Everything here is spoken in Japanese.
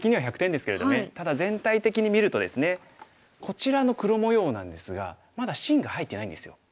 ただ全体的に見るとですねこちらの黒模様なんですがまだ芯が入ってないんですよ。